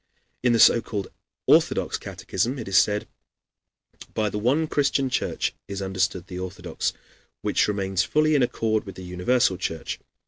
In the so called Orthodox catechism it is said: By the one Christian Church is understood the Orthodox, which remains fully in accord with the Universal Church.